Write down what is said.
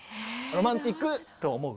ロマンチック！と思う？